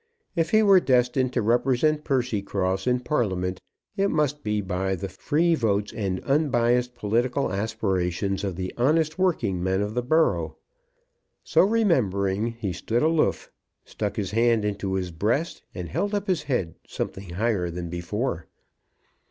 If he were destined to represent Percycross in Parliament, it must be by the free votes and unbiassed political aspirations of the honest working men of the borough. So remembering he stood aloof, stuck his hand into his breast, and held up his head something higher than before.